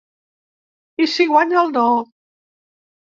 I si guanya el no?